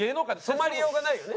染まりようがないよね。